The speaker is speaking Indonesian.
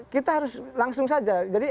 kita harus langsung saja jadi